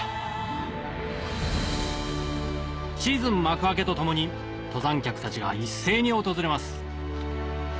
シーズン幕開けとともに登山客たちが一斉に訪れます